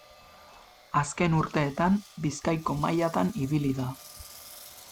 Azken urteetan Bizkaiko mailatan ibili da.